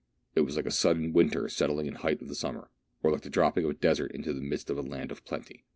It was like a sudden winter settling in the height of summer, or like the dropping of a desert into the midst of a land of plenty.